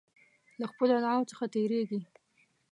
له خپلو ادعاوو څخه تیریږي.